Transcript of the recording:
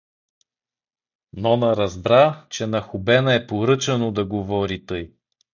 Нона разбра, че на Хубена е поръчано да говори тъй.